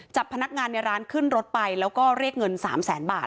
จับพนักงานในร้านขึ้นรถไปแล้วก็เรียกเงิน๓แสนบาท